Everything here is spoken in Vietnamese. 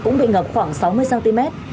cũng bị ngập khoảng sáu mươi cm